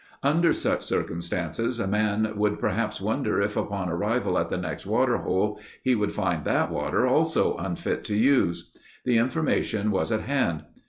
Under such circumstances a man would perhaps wonder if upon arrival at the next water hole he would find that water also unfit to use. The information was at hand.